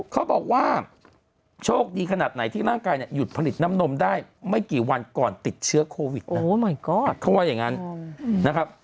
เขาบอกว่าโชคดีขนาดไหนที่ร่างกายเนี่ยหยุดผลิตน้ำนมได้ไม่กี่วันก่อนติดเชื้อโควิดเขาว่าอย่างนั้นนะครับ